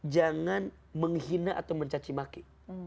jangan menghina atau mencacimaki